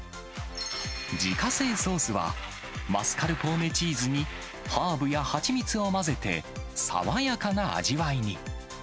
自家製ソースは、マスカルポーネチーズにハーブや蜂蜜を混ぜて、爽やかな味わいに。